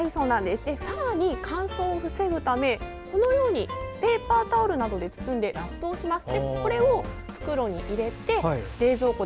さらに乾燥を防ぐためこのようにペーパータオルなどで包んでラップをします。